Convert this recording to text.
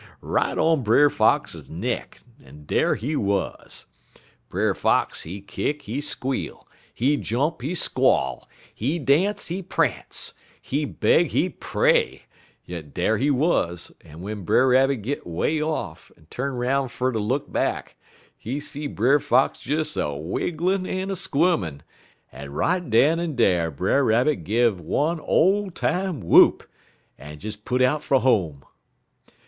_ right on Brer Fox neck, en dar he wuz. Brer Fox, he kick; he squeal; he jump; he squall; he dance; he prance; he beg; he pray; yit dar he wuz, en w'en Brer Rabbit git way off, en tu'n 'roun' fer ter look back, he see Brer Fox des a wigglin' en a squ'min', en right den en dar Brer Rabbit gun one ole time whoop, en des put out fer home.